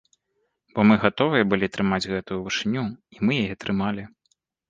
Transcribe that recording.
Бо мы гатовыя былі трымаць гэтую вышыню, і мы яе трымалі.